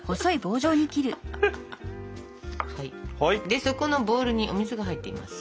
でそこのボウルにお水が入っています。